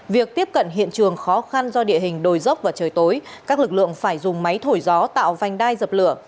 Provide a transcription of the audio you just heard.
việc tiếp cận hiện trường khó khăn do địa hình đồi dốc và trời tối các lực lượng phải dùng máy thổi gió tạo vành đai dập lửa